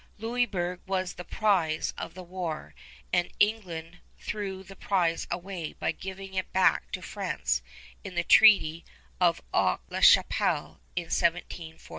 Louisburg was the prize of the war, and England threw the prize away by giving it back to France in the Treaty of Aix la Chapelle in 1748.